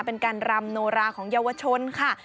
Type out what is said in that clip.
เป็นการรำโนราของเยาวชนค่ะ